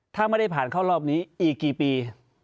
ถ้าไม่ได้ผ่านเข้ารอบนี้อีกกี่ปี